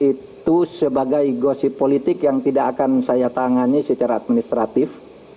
itu sebagai gosip politik yang tidak akan saya tangani secara administratif